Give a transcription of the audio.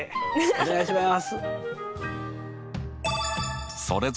お願いします。